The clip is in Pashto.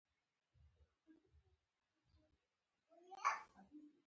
کله کله مې په زړه کښې ګرځېده.